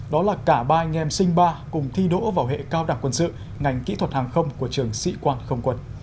đó là cả ba anh em sinh ba cùng thi đỗ vào hệ cao đảng quân sự ngành kỹ thuật hàng không của trường sĩ quang không quận